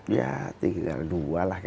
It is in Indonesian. ya tinggal dua